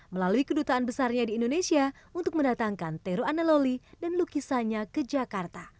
melalui kedutaan besarnya di indonesia untuk mendatangkan tero analloli dan lukisannya ke jakarta